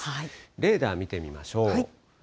レーダー見てみましょう。